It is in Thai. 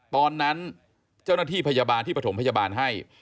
ตอนนั้นเจ้าหน้าที่พยาบาลที่ประถมพยาบาลให้